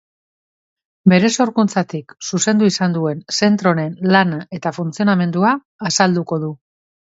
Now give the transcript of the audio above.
Bere sorkuntzatik zuzendu izan duen zentro honen lana eta funtzionamendua azalduko du.